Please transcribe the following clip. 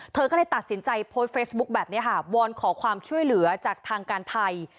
เธอก็เลยตัดสินใจโพสต์เฟซบุ๊คแบบนี้ค่ะวอนขอความช่วยเหลือจากทางการไทย